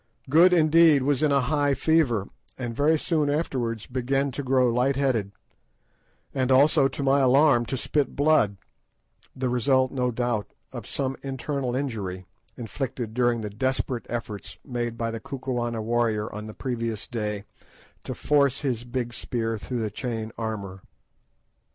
Good, indeed, was in a high fever, and very soon afterwards began to grow light headed, and also, to my alarm, to spit blood, the result, no doubt, of some internal injury, inflicted during the desperate efforts made by the Kukuana warrior on the previous day to force his big spear through the chain armour.